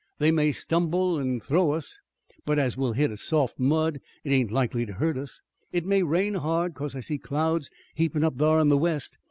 They may stumble an' throw us, but as we'll hit in soft mud it ain't likely to hurt us. It may rain hard, 'cause I see clouds heapin' up thar in the west.